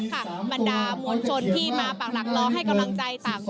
ก็ยังรอการออกมาแถลงของกรรมการบริหารพัก